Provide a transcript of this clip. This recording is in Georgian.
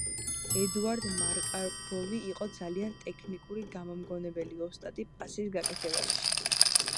ედუარდ მარკაროვი იყო ძალიან ტექნიკური, გამომგონებელი, ოსტატი პასის გაკეთებაში.